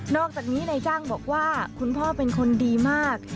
อกจากนี้นายจ้างบอกว่าคุณพ่อเป็นคนดีมาก